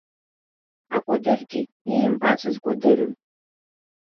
Акәадыргьы иимбацыз кәадырын.